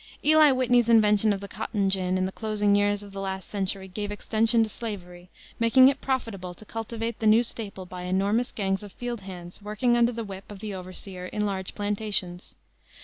Eli Whitney's invention of the cotton gin in the closing years of the last century gave extension to slavery, making it profitable to cultivate the new staple by enormous gangs of field hands working under the whip of the overseer in large plantations.